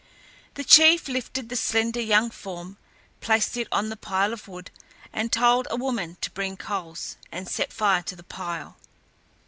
The chief lifted the slender young form, placed it on the pile of wood, and told a woman to bring coals and set fire to the pile.